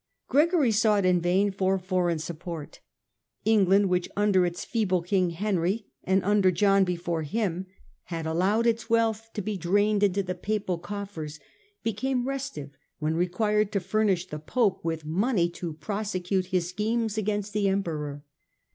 Gregory sought in vain for foreign support. England which under its feeble King Henry, and under John before him, had allowed its wealth to be drained into the Papal coffers, became restive when required to furnish the Pope with money to prosecute his schemes against the Emperor.